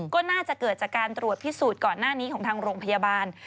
ก็น่าจะเกิดจากการตรวจพิสูจน์ก่อนหน้านี้ของทางโรงพยาบาล